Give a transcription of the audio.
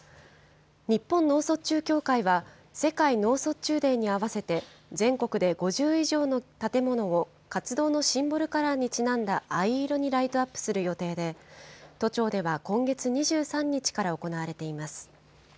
日本脳卒中協会は、世界脳卒中デーに合わせて、全国で５０以上の建物を、活動のシンボルカラーにちなんだ藍色にライトアップする予定で、都庁では今月２３日から行われています。